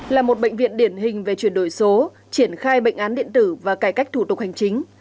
là một bệnh viện điển hình về chuyển đổi số triển khai bệnh án điện tử và cải cách thủ tục hành chính